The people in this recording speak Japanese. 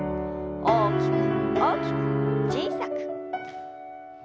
大きく大きく小さく。